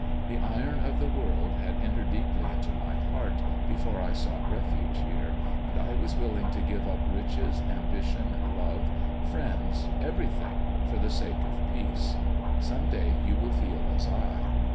The iron of the world had entered deeply into my heart before I sought refuge here, and I was willing to give up riches, ambition, love, friends, everything for the sake of peace. Some day you will feel as I."